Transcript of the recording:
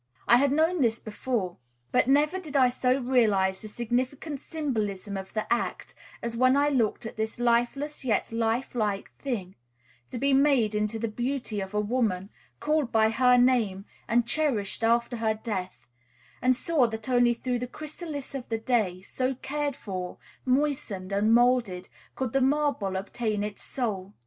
I had known this before; but never did I so realize the significant symbolism of the act as when I looked at this lifeless yet lifelike thing, to be made into the beauty of a woman, called by her name, and cherished after her death, and saw that only through this chrysalis of the clay, so cared for, moistened, and moulded, could the marble obtain its soul.